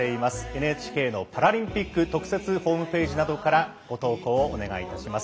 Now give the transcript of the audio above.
ＮＨＫのパラリンピック特設ホームページなどからご投稿をお願いいたします。